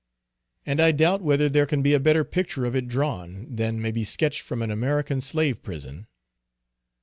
And I doubt whether there can be a better picture of it drawn, than may be sketched from an American slave prison.